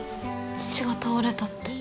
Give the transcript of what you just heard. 父が倒れたって。